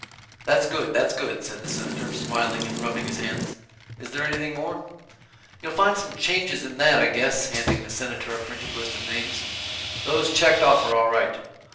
"That's good, that's good," said the Senator; smiling, and rubbing his hands. "Is there anything more?" "You'll find some changes in that I guess," handing the Senator a printed list of names. "Those checked off are all right."